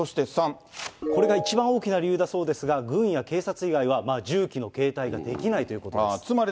これが一番大きな理由だそうですが、軍や警察以外は銃器の携帯ができないということです。